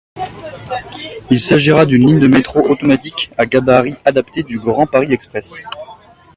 Il s'agira d'une ligne de métro automatique à gabarit adapté du Grand Paris Express.